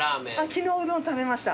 昨日うどん食べました。